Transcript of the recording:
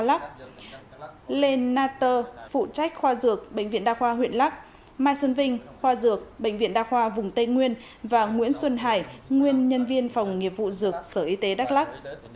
lê na tơ phụ trách khoa dược bệnh viện đa khoa huyện lắc mai xuân vinh khoa dược bệnh viện đa khoa vùng tây nguyên và nguyễn xuân hải nguyên nhân viên phòng nghiệp vụ dược sở y tế đắk lắc